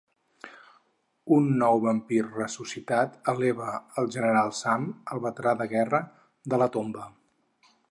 Un nou vampir ressuscitat eleva al General Sam, el veterà de guerra, de la tomba.